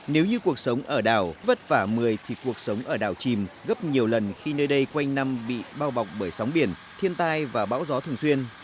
nếu như cuộc sống ở đảo vất vả một mươi thì cuộc sống ở đảo chìm gấp nhiều lần khi nơi đây quanh năm bị bao bọc bởi sóng biển thiên tai và bão gió thường xuyên